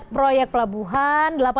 tiga belas proyek pelabuhan